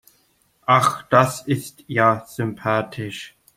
Ach, das ist ja sympathisch.